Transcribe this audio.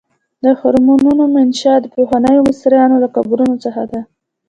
د هرمونو منشا د پخوانیو مصریانو له قبرونو څخه ده.